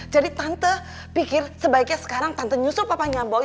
jadi tante pikir sebaiknya sekarang tante nyusul papanya boy